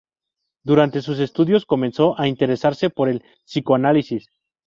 Durante sus estudios comenzó a interesarse por el psicoanálisis.